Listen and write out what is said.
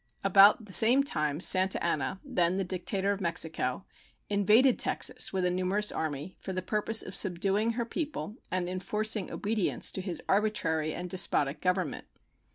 About the same time Santa Anna, then the Dictator of Mexico, invaded Texas with a numerous army for the purpose of subduing her people and enforcing obedience to his arbitrary and despotic Government.